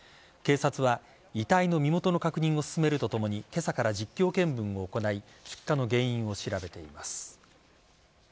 警察は遺体の身元の確認を進めるとともに今朝から実況見分を行い出火の原因を調べています。